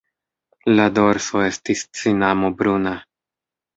La dorso estis cinamo-bruna.